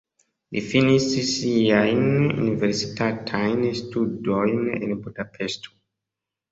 Li finis siajn universitatajn studojn en Budapeŝto.